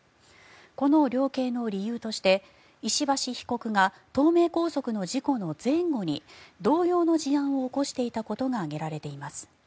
この量刑の理由として石橋被告が東名高速の事故の前後に同様の事案を起こしていたことが挙げられています。